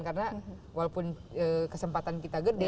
karena walaupun kesempatan kita gede